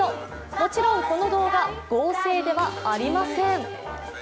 もちろんこの動画、合成ではありません。